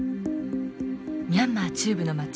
ミャンマー中部の町